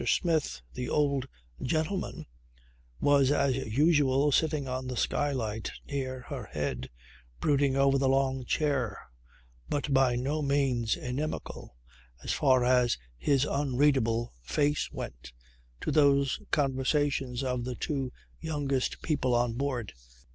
Smith the old gentleman was as usual sitting on the skylight near her head, brooding over the long chair but by no means inimical, as far as his unreadable face went, to those conversations of the two youngest people on board.